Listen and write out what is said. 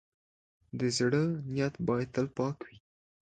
د زړۀ نیت باید تل پاک وي.